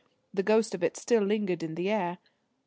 The ghost of it still lingered in the air.